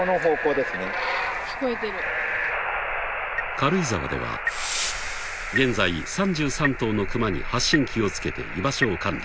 ［軽井沢では現在３３頭のクマに発信器を付けて居場所を管理］